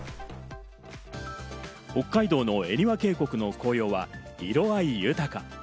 北海道の恵庭渓谷の紅葉は色合い豊か。